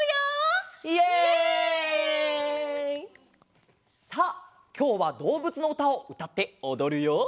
イエイ！さあきょうはどうぶつのうたをうたっておどるよ。